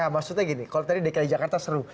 maksudnya gini kalau tadi dki jakarta seru